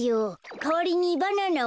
かわりにバナナをどうぞ。